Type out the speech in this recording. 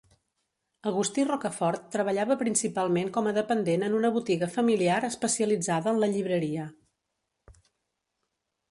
Agustí Rocafort treballava principalment com a dependent en una botiga familiar especialitzada en la llibreria.